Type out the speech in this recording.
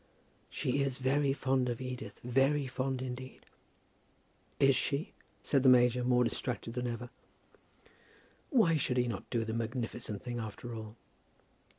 "She is very fond of Edith, very fond indeed." "Is she?" said the major, more distracted than ever. Why should he not do the magnificent thing after all?